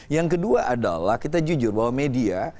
yang kedua adalah kita jujur bahwa media